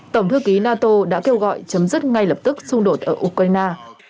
tổng thư ký nato đã kêu gọi chấm dứt ngay lập tức xung đột ở ukraine